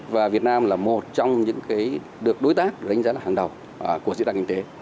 và việt nam là một trong những được đối tác đánh giá là hàng đầu của diễn đàn kinh tế